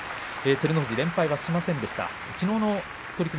照ノ富士連敗はしませんでした。